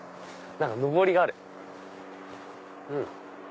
何かのぼりがある。